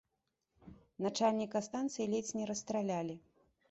Начальніка станцыі ледзь не расстралялі.